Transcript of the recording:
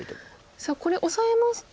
さあこれオサえますと。